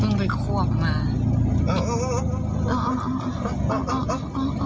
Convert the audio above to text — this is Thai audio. ลุ้นทุกช็อตลุ้นทุกวินาที